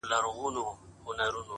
•« اتفاق په پښتانه کي پیدا نه سو »,